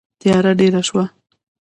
تیاره ډېره شوه.